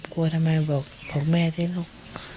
กลัวทำไมบอกแม่สิลูก